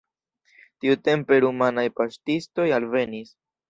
Tiutempe rumanaj paŝtistoj alvenis.